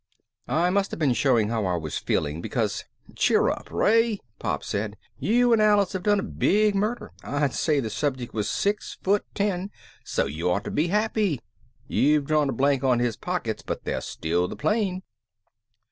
I must have been showing how I was feeling because, "Cheer up, Ray," Pop said. "You and Alice have done a big murder I'd say the subject was six foot ten so you ought to be happy. You've drawn a blank on his pockets but there's still the plane."